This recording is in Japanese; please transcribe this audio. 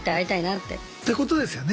ってことですよね。